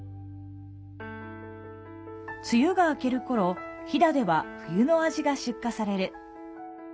梅雨が明けるころ、飛騨では冬の味が出荷される。